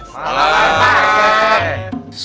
selamat malam para warga